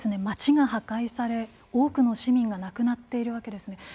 街が破壊され多くの市民が亡くなっているわけですね。